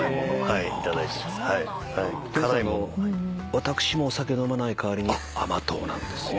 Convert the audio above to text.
私もお酒飲まない代わりに甘党なんですよ。